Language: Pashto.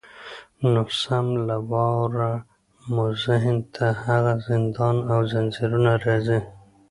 نو سم له واره مو ذهن ته هغه زندان او زنځیرونه راځي